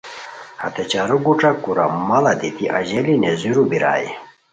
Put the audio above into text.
ہتے چارو گوݯہ کورہ ماڑ دیتی اژیلی نیزیرو بیرائے